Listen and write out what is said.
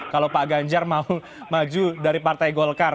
kalau pak ganjar mau maju dari partai golkar